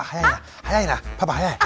早いなパパ早い。